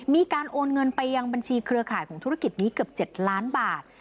มีการโอนเงินไปยังบัญชีเครือข่ายของธุรกิจนี้เกือบ๗ล้านบาท